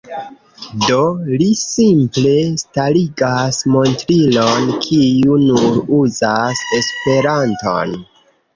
Do, li simple starigas montrilon, kiu nur uzas Esperanton.